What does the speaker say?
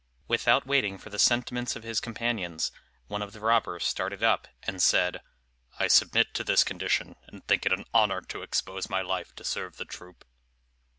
Without waiting for the sentiments of his companions, one of the robbers started up, and said, "I submit to this condition, and think it an honor to expose my life to serve the troop."